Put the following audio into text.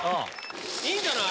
いいんじゃない？